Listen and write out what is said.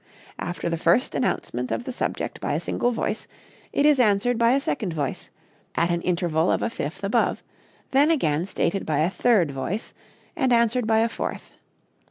After the first announcement of the subject by a single voice, it is answered by a second voice, at an interval of a fifth above; then again stated by a third voice, and answered by a fourth.